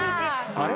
あれ？